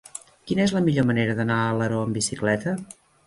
Quina és la millor manera d'anar a Alaró amb bicicleta?